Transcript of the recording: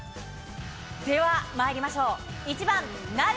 ではまいりましょう。